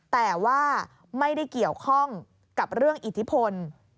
แต่ว่าไม่ได้เกี่ยวข้องกับเรื่องอิทธิพล